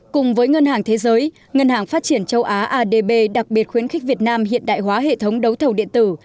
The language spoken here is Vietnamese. cùng với ngân hàng thế giới ngân hàng phát triển châu á adb đặc biệt khuyến khích việt nam hiện đại hóa hệ thống đấu thầu điện tử